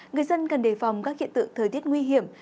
người dân cần đề phòng các hiện tượng thời tiết nguy hiểm